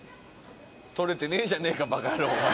取れてねえじゃねぇかバカ野郎お前は。